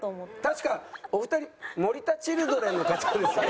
確かお二人森田チルドレンの方ですよね？